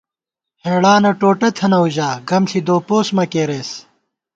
ہېڑانہ ٹوٹہ تھنَؤ ژا ، گم ݪی دُوپوس مہ کېرېس